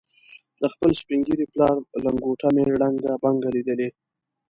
د خپل سپین ږیري پلار لنګوټه مې ړنګه بنګه لیدلې.